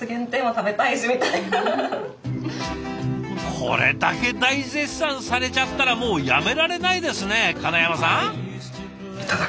これだけ大絶賛されちゃったらもうやめられないですね金山さん？